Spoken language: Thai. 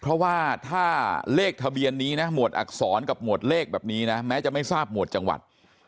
เพราะว่าถ้าเลขทะเบียนนี้นะหมวดอักษรกับหมวดเลขแบบนี้นะแม้จะไม่ทราบหมวดจังหวัด